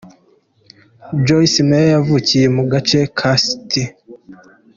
Joyce Meyer yavukiye mu gace ka St.